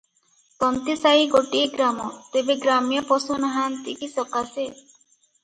ତନ୍ତୀସାଇ ଗୋଟିଏ ଗ୍ରାମ, ତେବେ ଗ୍ରାମ୍ୟ ପଶୁ ନାହାଁନ୍ତି କି ସକାଶେ?